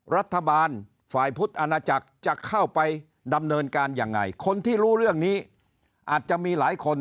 รัฐบาลฝ่ายพุทธอาณาจักรจะเข้าไปดำเนินการยังไงคนที่รู้เรื่องนี้อาจจะมีหลายคน